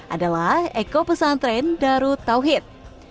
adalah eko pesantren darut tauhid